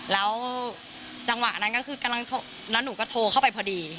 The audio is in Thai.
แล้วจังหวะนั้นก็คือกำลังโทรแล้วหนูก็โทรเข้าไปพอดี